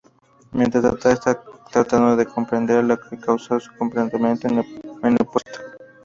Mientras, Data está tratando de comprender lo que causó su comportamiento en el puesto.